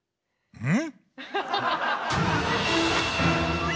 うん。